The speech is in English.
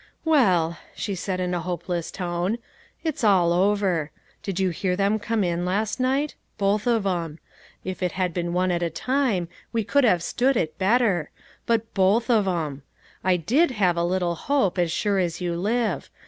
" Well," she said, in a hopeless tone, " it's all over. Did you hear them come in last night ? Both of 'em. If it had been one at a time, we could have stood it better ; but both of 'em ! I did have a little hope, as sure as you live.